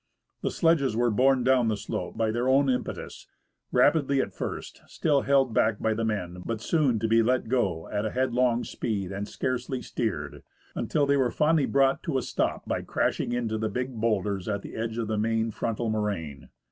The sledges were borne down the slope by their own impetus, rapidly at first, still held back by the men, but soon to be let go at a headlong speed, and scarcely steered, until they were finally brought to a stop by crashing into the big boulders at the edge of the main frontal moraine.